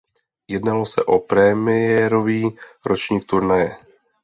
Jednalo se o premiérový ročník turnaje.